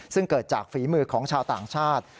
ซึ่งเกิดจากฝีมือของชาวต่างชาติ